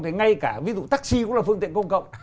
thì ngay cả ví dụ taxi cũng là phương tiện công cộng